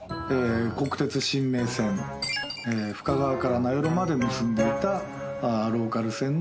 国鉄深名線深川から名寄まで結んでいたローカル線の。